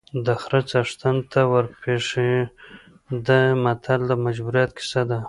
د خره څښتن ته ورپېښه ده متل د مجبوریت کیسه ده